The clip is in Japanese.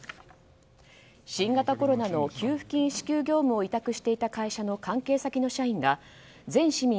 新型コロナの給付金支給業務を委託していた会社の関係先の社員が全市民